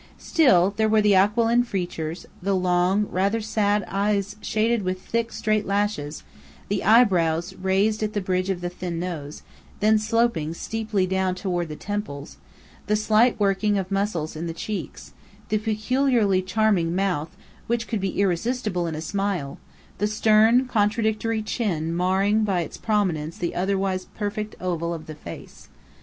Still, there were the aquiline features, the long, rather sad eyes shaded with thick, straight lashes, the eyebrows raised at the bridge of the thin nose, then sloping steeply down toward the temples; the slight working of muscles in the cheeks; the peculiarly charming mouth which could be irresistible in a smile, the stern, contradictory chin marring by its prominence the otherwise perfect oval of the face.